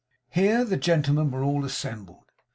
Here the gentlemen were all assembled.